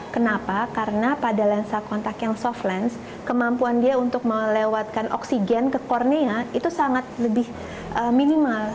kenapa karena pada lensa kontak yang soft lens kemampuan dia untuk melewatkan oksigen ke kornea itu sangat lebih minimal